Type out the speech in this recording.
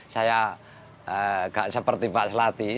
saya enggak seperti pak sladi